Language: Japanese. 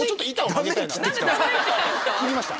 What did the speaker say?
切りました。